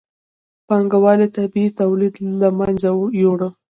پانګوالۍ طبیعي تولید له منځه یووړ.